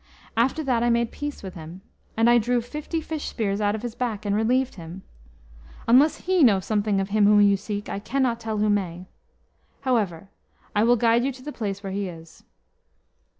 After that I made peace with him. And I drew fifty fish spears out of his back, and relieved him. Unless he know something of him whom you seek, I cannot tell who may. However, I will guide you to the place where he is."